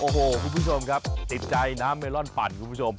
โอ้โหคุณผู้ชมครับติดใจน้ำเมลอนปั่นคุณผู้ชม